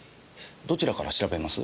どちらから調べます？